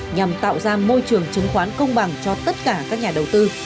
nhằm tạo ra môi trường chứng khoán công bằng cho tất cả các nhà đầu tư